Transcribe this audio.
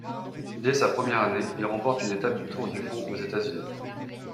Dès sa première année, il remporte une étape du Tour DuPont aux États-Unis.